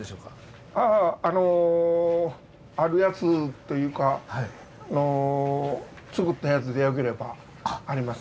ああのあるやつというか作ったやつでよければあります。